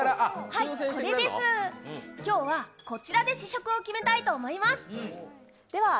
これです、今日はこちらで試食を決めたいと思います。